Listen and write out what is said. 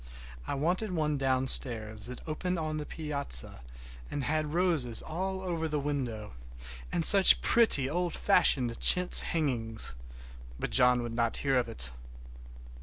I wanted one downstairs that opened on the piazza and had roses all over the window, and such pretty old fashioned chintz hangings! but John would not hear of it.